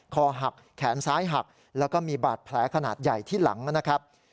คอหักแขนซ้ายหักแล้วก็มีบาดแผลขนาดใหญ่ที่หลังนะครับ